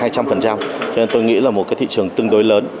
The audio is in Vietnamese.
cho nên tôi nghĩ là một cái thị trường tương đối lớn